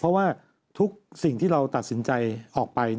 เพราะว่าทุกสิ่งที่เราตัดสินใจออกไป